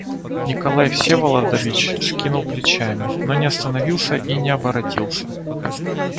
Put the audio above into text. Николай Всеволодович вскинул плечами, но не остановился и не оборотился.